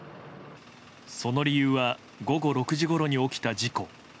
その理由は午後６時ごろに起きた事故。